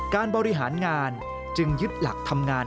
การบริหารงานจึงยึดหลักทำงาน